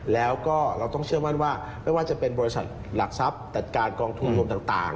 แล้วก็เราต้องเชื่อมั่นว่าไม่ว่าจะเป็นบริษัทหลักทรัพย์จัดการกองทุนรวมต่าง